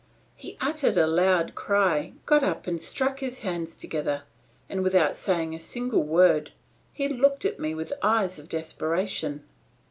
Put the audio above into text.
He uttered a loud cry, got up and struck his hands together, and without saying a single word, he looked at me with eyes of desperation.